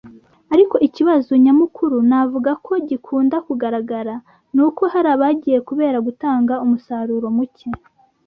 ariko ikibazo nyamukuru navuga ko gikunda kugaragara ni uko hari abagiye kubera gutanga umusaruro muke